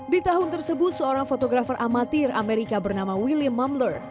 di tahun tersebut seorang fotografer amatir amerika bernama william mumler